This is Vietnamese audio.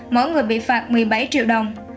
mỗi người bị phạt một mươi bảy triệu đồng